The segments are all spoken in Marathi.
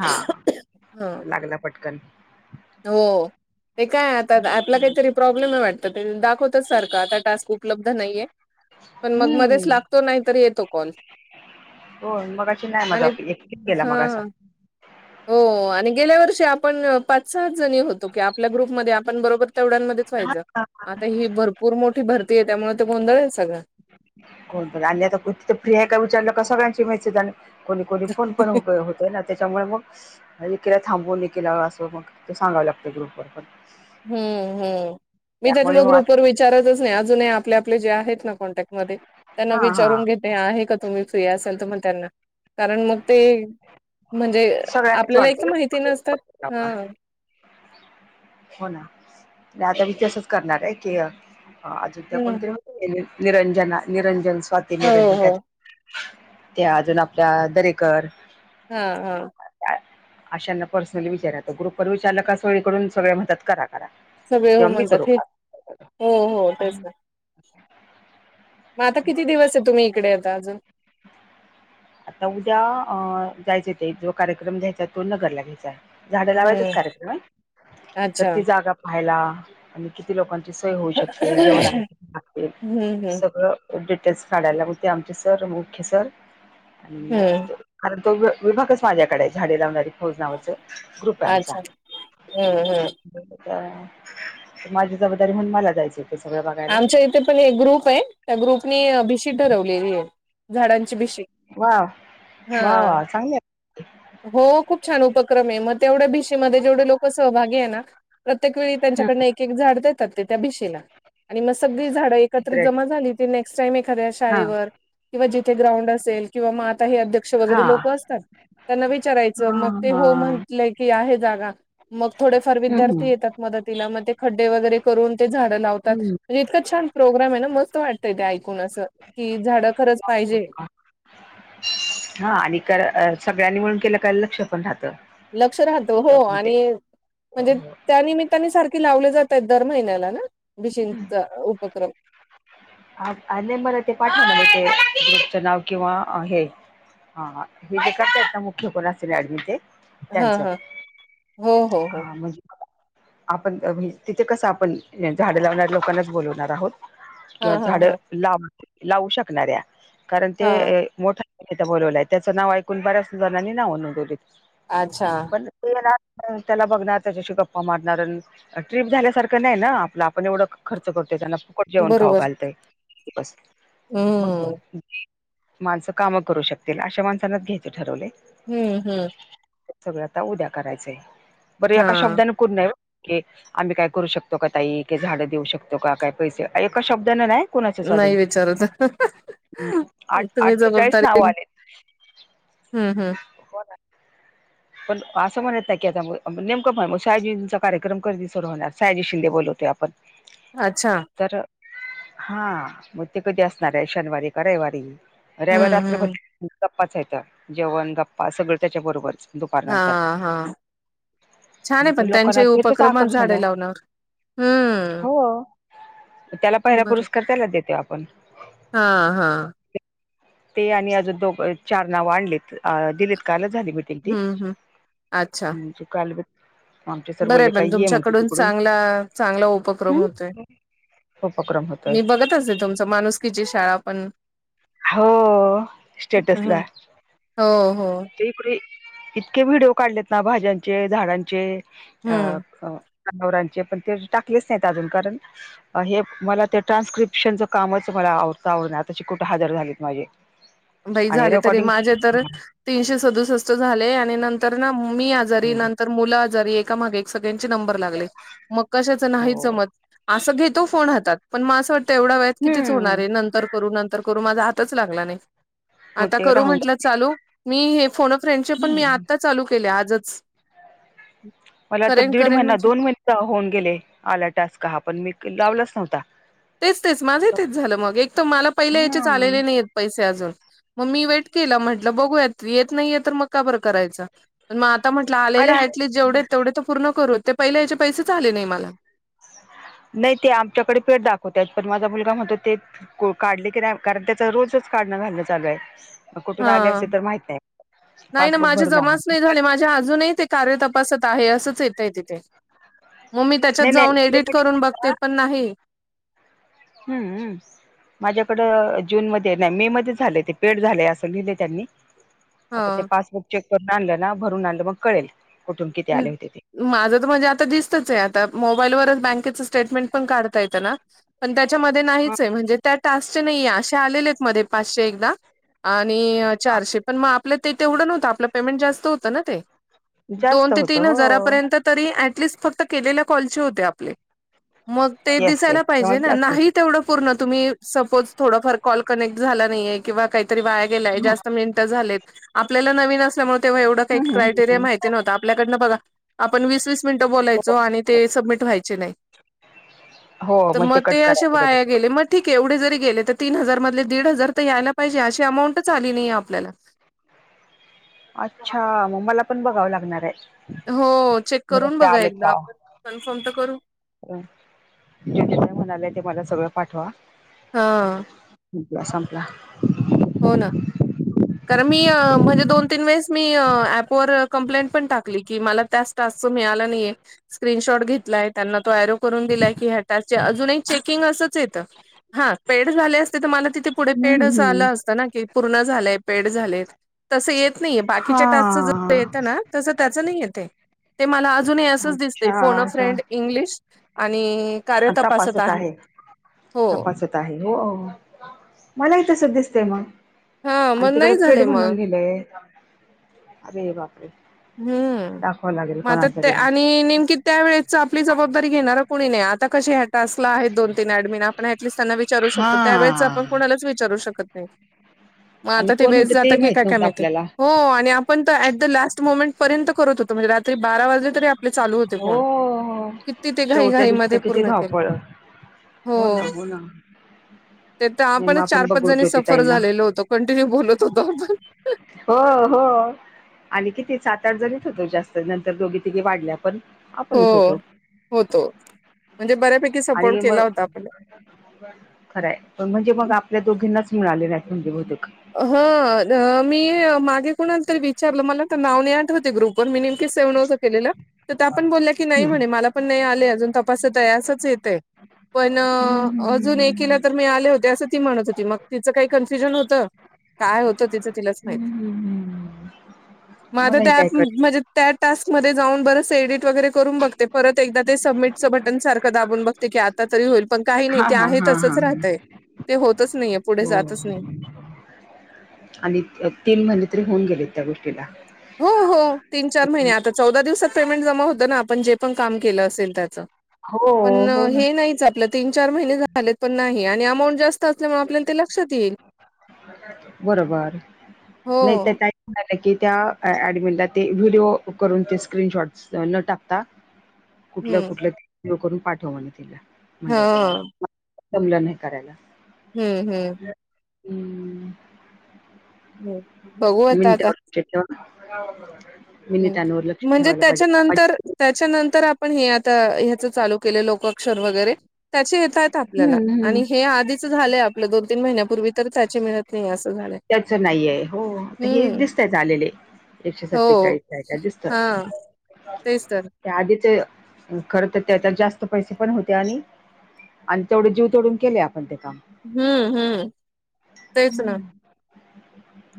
हा हा लागला पटकन. हो ते काय आता आपला काहीतरी प्रॉब्लेम आहे वाटत. ते दाखव तच सारखं आता टास्क उपलब्ध नाहीये. पण मग मध्येच लागतो नाही तर येतो कॉल. हो मघाशी नाही माझा आणि बा एक गेला हा मग असा. हो आणि गेल्या वर्षी आपण पाच सहाच जणी होतो की आपल्या ग्रुपमध्ये आपण बरोबर तेवढ्यांमध्येच व्हायचं. आता ही भरपूर मोठी भरती आहे त्यामुळे ते गोंधळ हाय सगळा. कोण पण आणि आता तर फ्री आहे का विचारलं का, सगळ्यांची मेसेज आणि कोणी कोणी फोन पण ना त्याच्यामुळे मग एकीला थांबवून एकीला असं मग ते सांगाव लागत ग्रुपवर पण. हम्म, हम्म. मी त्यामुळे त्याच्यामुळं मग ग्रुपवर आता विचारतच नाही. अजूनही आपले आपले जे आहेत ना कॉन्टॅक्ट मध्ये त्यांना हा हा विचारून घेते, आहे का तुम्ही फ्री असेल तर मग त्यांना कारण मग ते म्हणजे सगळ्यांनाच आपल्याला एक तर माहिती नस [inaudible] हो ना. आता मी तसंच करणार आहे की हा अजून त्या हम्म कोणतरी माहिती आहे नि निरंजना निरंजन स्वाती हो निरंजन हो कायत ते अजून आपल्या दरेकर हा हा. अशांना पर्सनली विचारा तो ग्रुप वर विचारलं का सोळीकडून सगळे म्हणतात करा करा. सगळे हो किंवा मी करू म्हणतात हे का हो हो तेच ना. म आता किती दिवस आहे तुम्ही इकडे आता अजून? आता उद्या अ जायचं ते जो कार्यक्रम घ्यायचा तो नगरला घ्यायचा. झाडं लावायचाच हम्म कार्यक्रम आहे, तर अच्छा ती जागा पाहायला. आणि किती लोकांची सोय होऊ शकते जेवणाला हम्म किती लागते हम्म सगळं डिटेल्स काढायला बोलते आमचे सर मुख्य सर आणि अ हम्म तर कारण तो वि विभाकच माझ्याकडे झाडे लावणारी फौज नावाचं. ग्रुप आहे आमचा. अच्छा हम्म हम्म [inaudible] माझी जबाबदारी म्हणून मला जायची. आमच्या इथे पण एक ग्रुप आहे त्या ग्रुपनी अभिशी ठरवलेली आहे. झाडांची बीशी वा वा हा. वा चांगले हो खूप छान उपक्रम आहे म तेवढ्या भीशीमध्ये जेवढे लोकं सहभागी आहे ना प्रत्येक वेळी हा. त्यांच्याकडनं एक-एक झाड देतात ते त्या भिशीला आणि मग सगळी झाडं एकत्र ग्रेट. जमा झाली ते नेक्स्ट टाइम एखाद्या हा. शाळेवर किंवा जिथे ग्राउंड असेल किंवा म आता हे अध्यक्ष हा. वगैरे लोकं असतात त्यांना विचारायचं मग हां, ते हो हां. म्हटलंय की आहे जागा मग थोडेफार हं, विद्यार्थी हं. येतात मदतीला मग ते खड्डे वगैरे करून ते झाडं लावतात. हं. म्हणजे इतका छान प्रोग्राम आहे ना मस्त वाटतय ते ऐकून असं कि झाडं खरंच पाहिजे. हा आणि करं अ सगळ्यांनी म्हणून केलं का लक्ष पण राहतं. लक्ष राहतो त्याच्यावर हो म्हणजे आणि हो, म्हणजे हो. त्या निमित्ताने सारखे लावले जातं आहेत दर महिन्याला ना भीशीणचा उपक्रम. आ आणि मला ते पाठवलं म ते ग्रुपचं नाव किंवा हे हा हा हे जसं करता मुख्य कोण असेल ऍडमी ते हा त्यांचं हा हो हो हो. हां, म्हणजे आपण तिथे कसं आपण झाडं लावणार लोकांनाच बोलवणार आहोत. हां किंवा हां झाड हां लाव लावू शकणार्या कारण ते हां ए मोठा इथं बोलवलाय त्याचं नावं ऐकून बऱ्याच जणांनी नावं नोंदवलेत. अच्छा पण ते येणार त्याला बघणार त्याच्याशी गप्पा मारणार ट्रीप झाल्यासारखं नाही ना आपला पण एवढं खर्च करतोय त्यांना फुकट जेवण खाऊ बरोबर घालतय. हम्म [unintelligible] माणसं कामं करू शकतील अशा माणसांनाच घ्यायचे ठरवले. हम्म हम्म. तेच सगळं आता उद्या करायचंय बरं एका हां शब्दाने [unintelligible] आम्ही काय करू शकतो का ताई? के झाड देऊ शकतो काय पैसे एका शब्दानें नाय कोणाचेच अजून नाही विचारत आ तुम्ही आठ्ठेचाळीस नाव जबाबदारी आलेत. हम्म हम्म. [inaudible] पण असं म्हणत नाही की आता म नेमकं मग शायाजींचा कार्यक्रम कधी सर होणार शायजी शिंदे बोलवते आ पण अच्छा तर हा मग ते कधी असणार आहे शनिवारी का रविवारी? रविवार हम्म रात्री [inaudible] हम्म गप्पाचं आहेत त्या जेवण गप्पा सगळं त्याच्या बरोबरच. दुपारनंतर, हां हां छान आहे ते पण लोकांना त्यांचे तेथेच उपक्रमात आकर्षण झाडे आहे. लावण्यावर हो हम्म त्याला पहिला पुरस्कार त्यालाच देतो आपण. हा हा. ते आणि अज दोघं चार नावं आणलेत आ दिलेत कालं झाली भेट. तील ती हम्म हम्म अच्छा हम्म सकाल भे आमचे सर बरं आहे बोलले पण काही ये म तर तू तुमच्याकडून तिकडून चांगला चांगला उपक्रम होतोय. उपक्रम होतय त माणूसकीची शाळा पण हो स्टेटस ला हं. हो हो पूर्वी इतके व्हिडिओ काढलेत ना भाज्यांचे झाडांचे अ हम्म अ नवरांचे पण ते टाकलेच नाहीत अजून कारण अ हे मला ते ट्रान्स्क्रिप्शनचं कामचं मला आवडतं आवडणार त्याची कुठ दहा हजार झालेत माझे. बाई झाले तरी रेकॉर्डिंग माझे तर तीनशे सदुसष्ट झाले आणि नंतर ना मी आजारी नंतर मुलं आजारी एकामागे एक सगळ्यांचे नंबर लागले मग कशाच नाही हो जमत असं घेतो फोन हातात पण मा असं तेवढा वेळात नंतर करू, नंतर करू माझा हातच लागला नाही. मग आता ते करू राहून म्हटलं जात चाले मी हे फोन अ फ्रेंडचे पण मी आत्ता चालू केले आजच ह माला तर दीड महिना दोन महिना होऊन गेले आला टास्क हा पण मी क लावलाच नव्हता. तेच तेच माझे तेच झालं मग एक तर मला पहिले हेचेच आलेले ह नाही आहेत पैसे अजून मग मी वेट केला म्हटलं बघूयात येत नाहीय तर मग का बरं करायचा. मग आता म्हटलं अरे आलेला एटलिस्ट जेवढे तेवढे तर ते पूर्ण करूत ते पहिले ह्याचे पैसेच आले नाही मला. नाय ते आमच्याकडे पेड दाखवत्यात पण माझा मुलगा म्हणतो तेच को काढले की नाही कारण त्याचा रोजच काढणं घालणं चालू आहे. कुठून आले हा असेल तर माहित नाही पासबुक भरून आणा. च्या अजूनही ते कार्य तपासत आहे असंच येत आहे तिथे. मग मी त्याच्यात नाही नाही जाऊन ते एडिट करून बघते म्हटलं पण नाही हम्म हम्म. माझ्याकडं जूनमध्ये नाही मे मध्ये झाले ते पेड झाले असं लिहिलं त्यांनी आता ते हा पासबुक चेक करून आणलं ना भरून आणलं मग कळेल कुठून किती आले होते ते. माझं तर म्हणजे आता दिसतच आहे आता मोबाईलवर बँकेच स्टेटमेंट पण काढता येतं ना पण त्याच्यामध्ये नाहीच आहे म्हणजे त्या टास्कचे नाहीये असे आलेले आहेत मध्ये पाचशे एकदा आणि चारशे पण म आपलं ते तेवढं नव्हतं आपलं पेमेंट जास्त होतं ना ते दोन जास्त ते होत तीन हो हजारापर्यंत तरी ऍटलिस्ट फक्त केलेल्या कॉलचे होते आपले. मग ते येस येस दिसायला पाहिजे ना जास्त होत नाही तेवढं पूर्ण तुम्ही सपोज थोडा फार कॉल कनेक्ट झाला नाहीये किंवा काहीतरी वाया गेल्या जास्त मिनटं झालेत आपल्याला नवीन असल्यामुळं तो एवढं काय क्राईट एरिया तरी माहीति नव्हतं आपल्याकडनं बघा आपण वीस-वीस मिनिटं हो बोलायचो आणि ते सबमिट व्हायचे नाही. हो तर मग कट ते असे करायचं वाया कधी गेले म ठीक आहे एवढे जरी गेले तर तीन हजार मधले दीड हजार तर यायला पाहिजे अशी अमाऊंटच आली नाही आपल्याला. अच्छा म मला पण बघावं लागणार आहे. हो चेक घरात करून ते बघा आलेत एकदा का आपण कन्फर्म तर करू. [unintelligible] म्हणाले ते मला सगळं पाठवा. हा. [unintelligible] संपला हो ना. कारण मी अ म्हणजे दोन-तीन वेळेस मी अ ऍपवर कंप्लेंट पण टाकली की मला त्या टास्क तर मिळाला नाहीय. स्क्रीनशॉट घेतलाय त्यांना तो ऐरो करून दिलाय की ह्या टास्कचे अजून ही चेकिंग असंच येतं. हा पेड झाले असते तर मला तिथे पुढे हम्म पेड असं हम्म आलं असतं ना की पूर्ण झालंय पेड झाले. तसं येत नाहीये हा बाकीच्या टास्कच जसं येतं ना तसं त्याचं नाही येतेय. ते मला अजूनही असंच दिसते अच्छा फोन अ अच्छा फ्रेंड इंग्लिश आणि कार्य तपासत आहे हो. ता हे हो मलाही तसंच दिसतय मग हा आणि मग तिकडे नाही पेड झाले मग म्हणून लिहिलंय अरे बापरे! हम्म दाखवावं लागेल म आता कोणाला त्या तरी आणि नेमकी त्या वेळेच आपली जबाबदारी घेणारा कोणी नाही आ ता कशी ह्या टास्कला आहे दोन तीन ऍडमीन आपण एटलीस्ट त्यांना विचारू हा शकतो त्यावेेळेच आपण कोणालाच विचारू शकत नाही. म आणि आता ते कोण वेस्ट होतं जात की माहित काय काय नव्हतं माहिते? आपल्याला हो आणि आपण तर ऍट द लास्ट मोमेंट पर्यंत करत होतो म्हणजे रात्री बारा वाजले तरी पले चालू होते फोन हो किती ते शेवटच्या घाई-घाई दिवशी मध्ये तर किती पूर्ण केले धावपळ हो. ते तर नाही मग आपणच आपण चार-पाच बघू जणी सफर ज्योतीताईंना झालेलो होतो कंटिन्यू बोलत होतो आपण. हो हो. आणि किती सात-आठ जणीच होतो जास्त नंतर दोघी तिघे वाढल्या पण हो आपणच होतो होतो म्हणजे बऱ्यापैकी सपोर्ट आणि मग केला होता आपण. खरं आहे पण म्हणजे मग आपल्या दोघींनाच मिळाले नाही आहेत म्हणजे बहुतेक. हा मी मागे कोणाला तरी विचारलं मला तर नाव नाही आठवते ग्रुप पण मिनिम की सेव नवचा केलेला त्या पण बोलले की नाही हम्म म्हणे मला पण नाही आले अजून तपासत आहे असच येतेये पण हम्म अजून एक किला हम्म तर मिळाले होते असं ती म्हणत होती मग तिचं काही कन्फ्युजन होतं. काय होतं तिचं तिलाच माहित, हम्म हम्म हम्म म आता मला हे त्या ऐप काय कळत म्हणजे त्या टास्कमध्ये जाऊन बरसे एडिट वगैरे करून बघते परत एकदा ते सबमिटचं बटन सारखं दाबून बघते की आ ता तरी होईल पण काही नाही हा ते हा आहे हा हा तसंच ह राहतय ते होतच नाहीये पुढे हो जातच नाही. आणि तीन महिने तरी होऊन गेले त्या गोष्टीला. तीन-चार महिने आता चौदा दिवसात पेमेंट जमा होतं ना आपण जे पण काम केलं असेल त्याचा हो पण हो ना हे नाहीच आपल्यात तीन-चार महिने झालेत पण नाही आणि अमाऊंट जास्त असल्यामुळे आपल्याला ते लक्षात येईल. बरोबर हो नाही तर काय झालं की त्या ऍडमिनला ते व्हिडिओ करून ते स्क्रीनशॉट न टाकता कुठलं हम्म कुठलं करून पाठव म्हणे तिला हा म्हणल्या होत्या मला जमलं नाही करायला. हम्म हम्म. हम्म. हो बघू आता आता चेट मीनि हम् त्यानवर लक्ष म्हणजे ठेवायला त्याच्यानंतर पाहिजे. त्याच्यानंतर आपण हे आता ह्याचा चालू केले लोकाक्षर वगैरे त्याचे येत आहेत आपल्याला हम्म हम्म आणि हे आधीचा झालेय आपलं दोन-तीन महिन्यापूर्वी तर त्याची मिळत नाही अस त्याचा नाहीये हो हे हम्म दिसतायच आलेले एकशे हो सत्तेचाळीस काय-काय दिसतं? हा तेच तर त्या आधीच खरं तर त्याच्यात जास्त पैसे पण होते आणि आणि तेवढे जीव तोडून केले आपण ते काम. हम्म हम्म तेच ना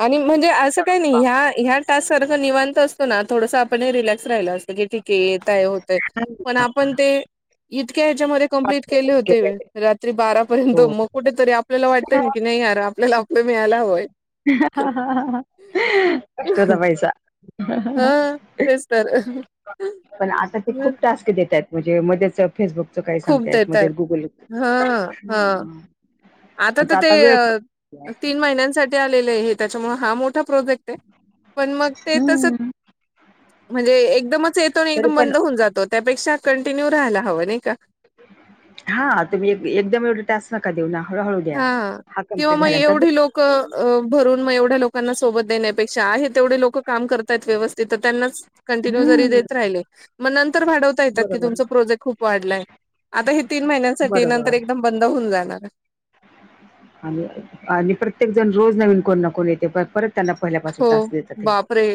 आणि म्हणजे असं काय नाही ह्या ह्या टास्क सारखं निवांत असतो ना थोडसा पण ही रिलॅक्स राहिला असतं की ठीक आहे येतय होतय पण आपण ते इतक्या ह्याच्यामध्ये कंप्लीट केले होते वे रात्री बारापर्यंत हो. मग कुठेतरी आपल्याला वाटतंय ना की नाही यार आपल्याला आपलं मिळायला हवंय. अष्ट दाबायचा हा तेच तर पण आता ते खूप टास्क देतात म्हणजे मध्येच फेसबुकचं काही खूप सांगते मध्ये देतात गुगल हा हा आता तर ते अ पण मग ते तस हम्म. म्हणजे एकदमत चे येतो आणि तरी एकदम पण मंद होऊन जातो त्यापेक्षा कंटिन्यू राहायला हवं नये का? हा हा तुम्ही एक एकदम एवढे टास्क नका देऊ ना हळूहळू द्या हा कमप्लीट झाल्यानंतर क अ भरून म एवढ्या लोकांना सोबत देणेपेक्षा आहे तेवढे लोकं काम करतायत व्यवस्थित तर त्यांनाच कंटिन्यू जरी हम्म देत राहिले म नंतर भाडवता येतात की बरोबर तुमच प्रोजेक्ट खूप वाढलाय. आता हे तीन महिन्यांसाठी नंतर बरोबर. एकदम बंद होऊन जाणार. आणि आणि प्रत्येक जण रोज नवीन कोण ना कोण येते पर परत त्यांना हो पहिल्यापासून टास्क देतात हे. बापरे!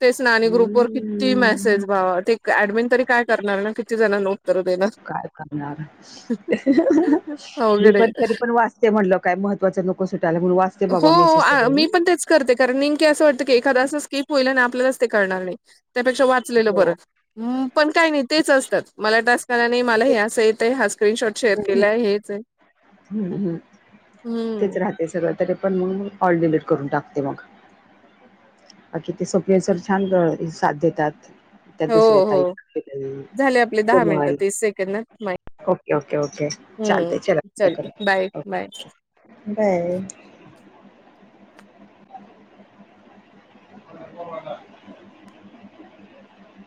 तेच आणि ग्रुपवर किती हम्म. मैसेज वा वा ठीक ऍडमिन तरी काय करणार ना किती जणानां उत्तर देणार. काय करणारच मी अवघड आहे. पण तरी पण वाचते म्हणलं काय महत्वाचं नको सुटायला म्हणून वाचते हो बाबा मेसेज आ तरी मी. पण तेच करते कारण मेन की असं वाटतं की एखादा असं स्किप होईल ना आपल्यालाच ते कळणार नाय त्यापेक्षा वाचलेलं हो. बरं. हम्म पण काय नाय तेच असतं मला टास्क आला नी मला हे येतेय हसं स्क्रीनशॉट शेअर हम्म, केलाय हेच आहे. हम्म हम्म हम्म तेच राहते सगळं तरी पण म म ऑल डिलीट करून टाकते मग. बाकी ते स्वप्नील सर छान गं हे साथ देतात. त्या हो दुसऱ्या हो ताई. झाले आपले दहा मिनिटं तीस सेकंद [unintelligible] ना माय ओके ओके ओके चालते चल हम्म आता बाय करूया बाय. बाय. [unintelligible]